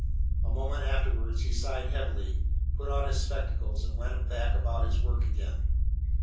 A moment afterwards he sighed heavily, put on his spectacles, and went about his work again.